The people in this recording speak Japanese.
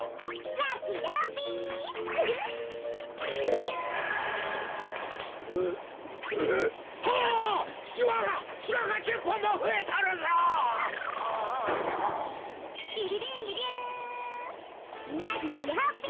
ラッキーでハッピー！